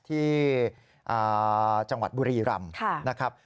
ที่จังหวัดบุรีรำนะครับ